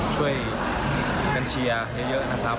ช่วยกันเชียร์เยอะนะครับ